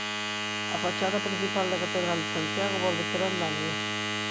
A fachada principal da Catedral de Santiago volve ter andamios.